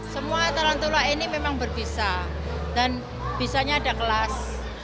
semua tarantula ini memang berbisa dan bisanya ada kelas